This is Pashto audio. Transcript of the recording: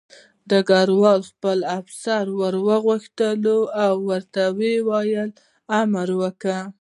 ډګروال خپل افسر راوغوښت او ورته یې امر وکړ